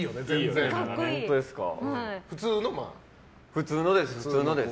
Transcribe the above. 普通のです。